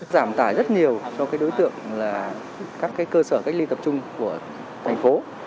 giảm tải rất nhiều cho đối tượng là các cơ sở cách ly tập trung của thành phố